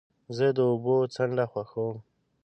زه د اوبو څنډه خوښوم.